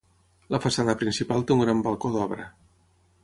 La façana principal té un gran balcó d'obra.